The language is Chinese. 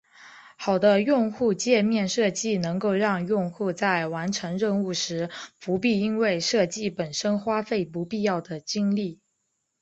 好的用户界面设计能够让用户在完成任务时不必因为设计本身花费不必要的精力。